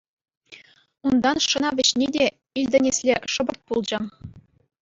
Унтан шӑна вӗҫни те илтӗнесле шӑпӑрт пулчӗ.